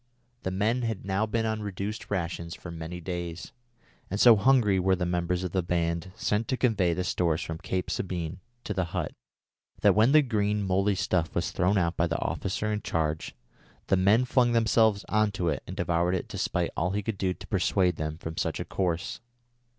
The men had now been on reduced rations for many days, and so hungry were the members of the band sent to convey the stores from Cape Sabine to the hut that when the green mouldy stuff was thrown out by the officer in charge, the men flung themselves on to it and devoured it despite all he could do to persuade them from such a course.